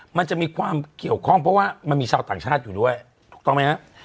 มันจะมีความเกี่ยวข้องเพราะว่ามันมีชาวต่างชาติอยู่ด้วยถูกต้องไหมครับ